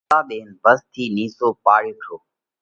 ان ڳتا ۮينَ ڀس ٿِي نِيسو پاڙيو هٺو۔